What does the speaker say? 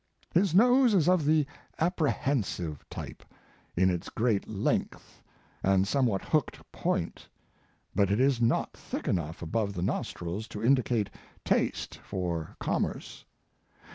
His nose is of the apprehensive" type in its great length and somewhat hooked point, but it is not thick enough above the nostrils to indicate taste for com His Life and Work. 179 merce.